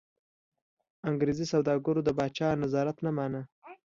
انګرېزي سوداګرو د پاچا نظارت نه مانه.